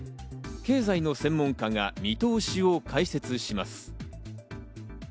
経済の専門家が見通しを解説します。